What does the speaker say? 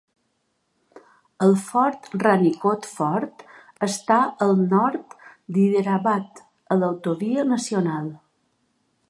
El fort Ranikot Fort està al nord d'Hyderabad, a l'autovia nacional.